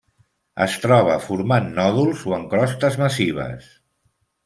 Es troba formant nòduls o en crostes massives.